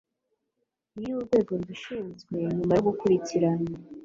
iyo urwego rubishinzwe nyuma yo gukurikirana